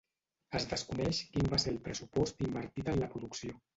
Es desconeix quin va ser el pressupost invertit en la producció.